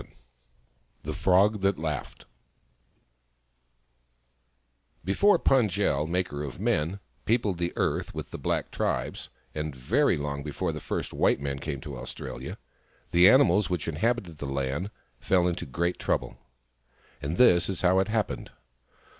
VII THE FROG THAT LAUGHED BEFORE Pund jel, Maker of Men, peopled the earth with the black tribes, and very long before the first white man came to Australia, the animals which inhabited the land fell into a great trouble. And this is how it happened.